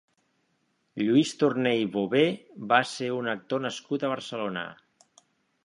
Lluís Torner i Bové va ser un actor nascut a Barcelona.